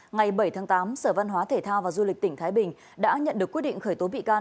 ngày bảy tháng tám sở văn hóa thể thao và du lịch tỉnh thái bình đã nhận được quyết định khởi tố bị can